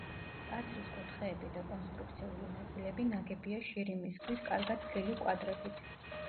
ტაძრის კუთხეები და კონსტრუქციული ნაწილები ნაგებია შირიმის ქვის კარგად თლილი კვადრებით.